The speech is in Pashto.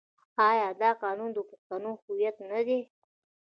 آیا دا قانون د پښتنو هویت نه دی؟